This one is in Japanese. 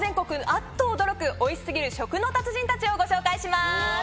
あっと驚くおいし過ぎる食の達人たちをご紹介します。